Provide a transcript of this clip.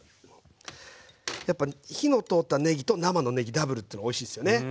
やっぱ火の通ったねぎと生のねぎダブルっておいしいっすよね。